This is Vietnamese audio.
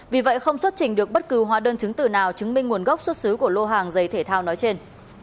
vì vậy không xuất trình được bất cứ hóa đơn chứng từ nào chứng minh nguồn gốc xuất xứ của lô hàng giấy thể thao nói trên